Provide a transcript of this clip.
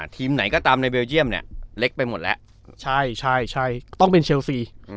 ทีมไหนก็ตามในเบลเยี่ยมเนี่ยเล็กไปหมดแล้วใช่ต้องเป็นเชลซี